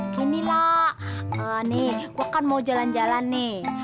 gini lah nih gua kan mau jalan jalan nih